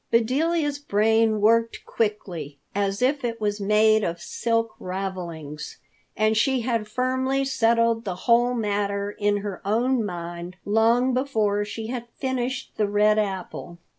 Bedelia's brain worked quickly, if it was made of silk ravelings! And she had firmly settled the whole matter in her own mind long before she had finished the red apple.